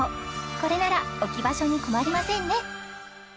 これなら置き場所に困りませんね